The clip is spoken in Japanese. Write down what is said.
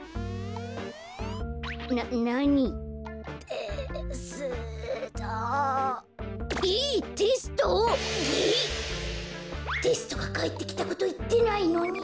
こころのこえテストがかえってきたこといってないのに。